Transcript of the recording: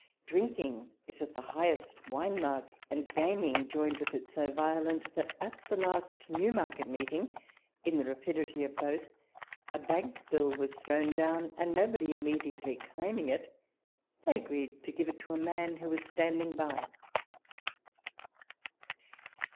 Drinking is at the highest wine mark ; and gaming joined with it so violent, that at the last Newmarket meeting, in the rapidity of both, a bank bill was thrown down, and nobody immediately claiming it, they agreed to give it to a man that was standing by.